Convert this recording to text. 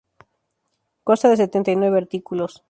Consta de setenta y nueve artículos.